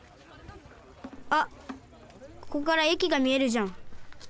あっここからえきがみえるじゃん。